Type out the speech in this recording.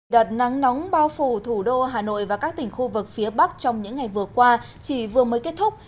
đợt nắng nóng bao phủ thủ đô hà nội và các tỉnh khu vực phía bắc trong những ngày vừa qua chỉ vừa mới kết thúc